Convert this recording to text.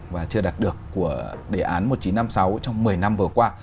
và chưa đạt được của đề án một nghìn chín trăm năm mươi sáu trong một mươi năm vừa qua